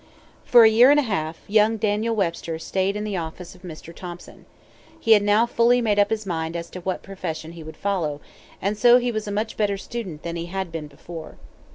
For a year and a half, young Daniel Webster stayed in the office of Mr. Thompson. He had now fully made up his mind as to what profession he would follow; and so he was a much better student than he had been before.